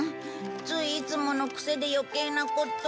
ついいつもの癖で余計なことを。